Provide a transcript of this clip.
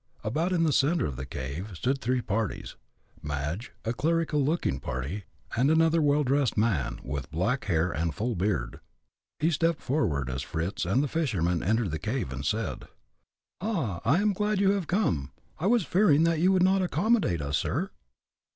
About in the center of the cave stood three parties Madge, a clerical looking party, and another well dressed man, with black hair and full beard. He stepped forward as Fritz and the fisherman entered the cave, and said: "Ah! I am glad you have come. Was fearing that you would not accommodate us, sir."